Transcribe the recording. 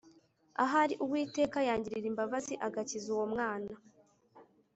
ahari Uwiteka yangirira imbabazi agakiza uwo mwana.